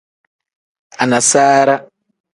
Anasaara.